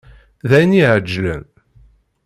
D ayen iεeǧlen?